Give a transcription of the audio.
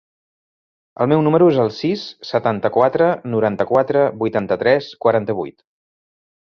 El meu número es el sis, setanta-quatre, noranta-quatre, vuitanta-tres, quaranta-vuit.